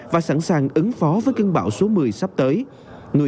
và sẵn sàng ứng phó với cơn bão sông